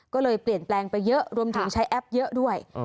ก็เลยเปลี่ยนแปลงไปเยอะรวมถึงใช้แอปเยอะด้วย